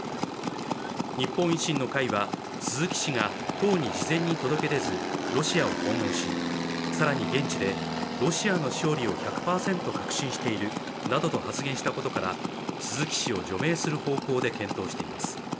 日本維新の会は鈴木氏が党に事前に届け出ずロシアを訪問し更に現地でロシアの勝利を１００％確信しているなどと発言したことから鈴木氏を除名する方向で検討しています。